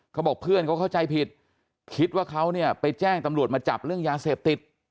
เขาบอกเพื่อนเขาเข้าใจผิดคิดว่าเขาเนี่ยไปแจ้งตำรวจมาจับเรื่องยาเสพติด